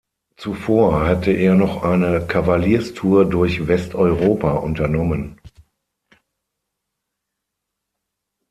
Zuvor hatte er noch eine Kavalierstour durch Westeuropa unternommen.